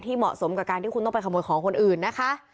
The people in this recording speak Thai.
เหมาะสมกับการที่คุณต้องไปขโมยของคนอื่นนะคะ